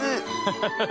ハハハッ。